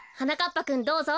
ぱくんどうぞ。